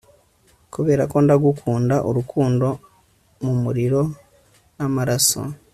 kuberako ndagukunda, rukundo, mumuriro n'amaraso